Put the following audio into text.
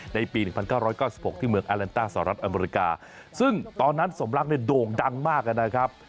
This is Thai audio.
ในปี๑๙๙๖ที่เมืองอแลนต้าสหรัฐอเมริกาซึ่งตอนนั้นสมรักเนี่ยโด่งดังมากนะครับ